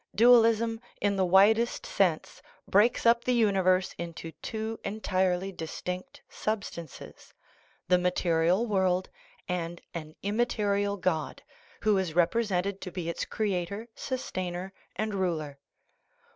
Dualism, in the widest sense, breaks up the universe into two entirely distinct substances the material world and an immaterial God, who is repre sented to be its creator, sustainer, and ruler.